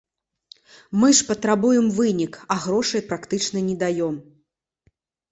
Мы ж патрабуем вынік, а грошай практычна не даём.